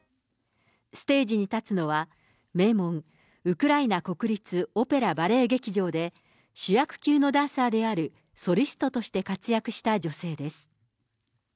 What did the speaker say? ステージに立つのは、名門、ウクライナ国立オペラ・バレエ劇場で、主役級のダンサーであるソリストとして活躍した女性です。